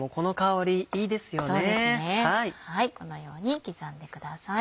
このように刻んでください。